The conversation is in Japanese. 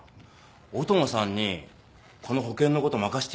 音野さんにこの保険のこと任せていい？